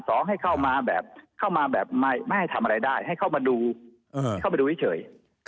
สองให้เข้ามาแบบไม่ให้ทำอะไรได้ให้เข้ามาดูเข้ามาดูเฉย